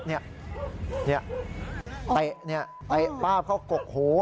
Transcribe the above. เนี่ยแตะเนี่ยแตะบ้าบเขากกหัว